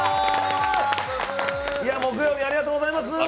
木曜日、ありがとうございます！